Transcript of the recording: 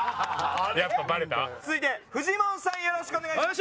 続いてフジモンさんよろしくお願いします。